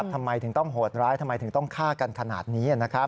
ทำไมถึงต้องโหดร้ายทำไมถึงต้องฆ่ากันขนาดนี้